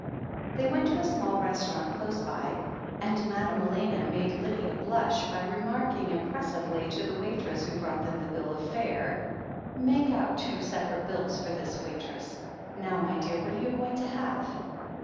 They went to a small restaurant close by, and Madame Elena made Lydia blush by remarking im pressively to the waitress who brought them the bill of fare: "Make out two separate bills for this, waitress. Now, my dear, what are you going to have?"